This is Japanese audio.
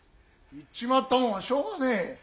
言っちまったもんはしょうがねえ。